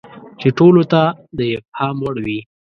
چې ټولو ته د افهام وړ وي.